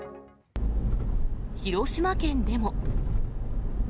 広島県でも。